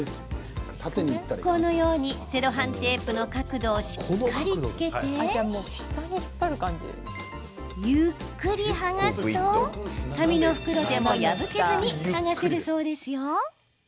このようにセロハンテープの角度をしっかりつけてゆっくり剥がすと、紙の袋でも破けずに剥がせるそうですよ。